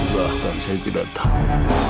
bahkan saya tidak tahu